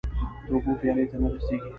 د اوبو پیالو ته نه رسيږې